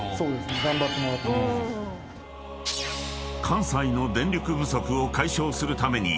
［関西の電力不足を解消するために］